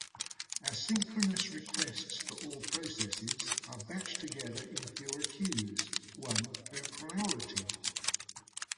Asynchronous requests for all processes are batched together in fewer queues, one per priority.